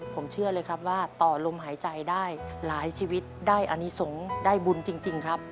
ผมเชื่อเลยครับว่าต่อลมหายใจได้หลายชีวิตได้อนิสงฆ์ได้บุญจริงครับ